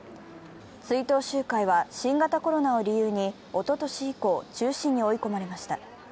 追悼集会は新型コロナを理由におととし以降、中止に追い込まれました。